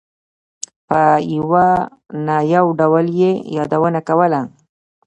په یوه نه یو ډول یې یادونه کوله.